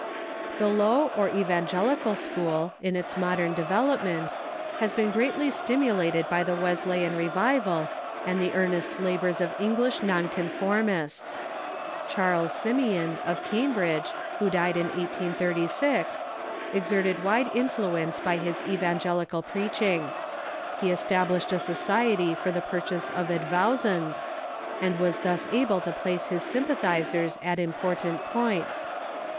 The Low or Evangelical School, in its modern development, has been greatly stimulated by the Wesleyan revival and the ear nest labors of English non conformists. Charles Ths Low Church ,•/^, i "^ t i t i • i himeon, ot Cambridge, who died m 1836, exerted wide influence by his evangelical preaching. He established a society for the purchase of advowsons, and was thus able to place his sympathizers at important points.